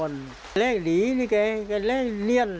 แร่งเลี่ยน